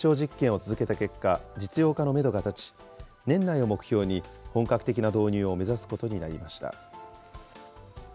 ケニアで実証実験を続けた結果、実用化のメドが立ち、年内を目標に本格的な導入を目指すことにな